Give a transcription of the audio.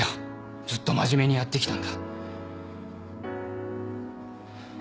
ずっと真面目にやってきたんだ。